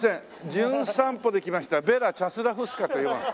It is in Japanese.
『じゅん散歩』で来ましたベラ・チャスラフスカという者。